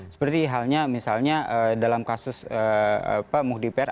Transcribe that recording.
seperti halnya misalnya dalam kasus pak muhdi pr